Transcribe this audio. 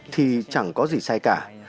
thì chẳng có gì sai cả